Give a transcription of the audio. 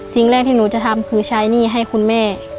สิ่งแรกที่หนูจะทำคือใช้หนี้ให้คุณแม่